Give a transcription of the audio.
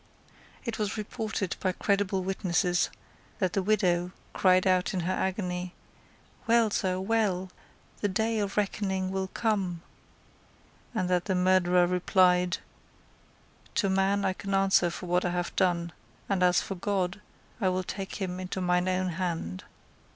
It was reported by credible witnesses that the widow cried out in her agony, "Well, sir, well; the day of reckoning will come;" and that the murderer replied, "To man I can answer for what I have done; and as for God, I will take him into mine own hand."